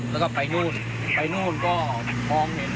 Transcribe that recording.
แล้วก็ไปนู่นไปนู่นก็มองเห็น